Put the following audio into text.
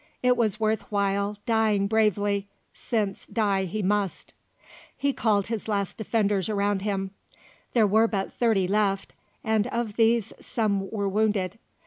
It was worth while dying bravely, since die he must. He called his last defenders around him. There were but thirty left, and of these some were wounded.